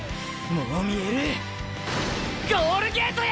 もう見えるゴールゲートや！！